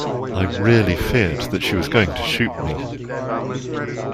I really feared that she was going to shoot me.